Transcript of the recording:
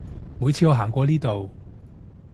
每次我行過呢度